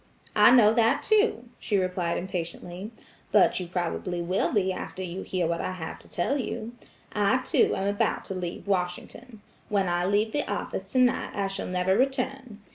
"I know that, too," she replied impatiently, "but you probably will be after you hear what I have to tell you. I, too, am about to leave Washington. When I leave the office tonight I shall never return.